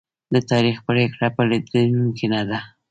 د تاریخ پرېکړه بدلېدونکې نه ده.